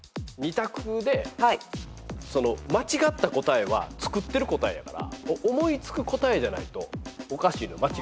２択で間違った答えはつくってる答えやから思いつく答えじゃないとおかしいのよ。